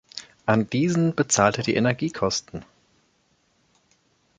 An diesen bezahlt er die Energiekosten.